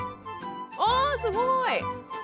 おすごい！